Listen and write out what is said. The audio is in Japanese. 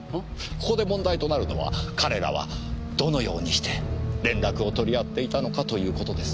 ここで問題となるのは彼らはどのようにして連絡を取り合っていたのかということです。